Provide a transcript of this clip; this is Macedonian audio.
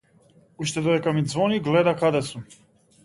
Уште додека ми ѕвони гледа каде сум.